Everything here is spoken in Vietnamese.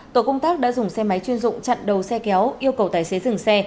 tổ công tác đã dùng xe máy chuyên dụng chặn đầu xe kéo yêu cầu tài xế dừng xe